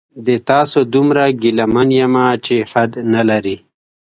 د تاسو دومره ګیله من یمه چې حد نلري